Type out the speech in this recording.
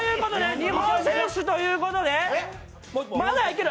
２本先取ということでまだいける！